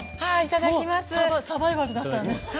サバイバルだったわね。